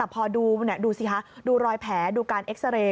พอดูสิคะดูรอยแผลดูการเอ็กซาเรย์